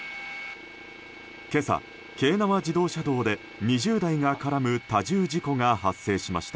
今朝、京奈和自動車道で２０台が絡む多重事故が発生しました。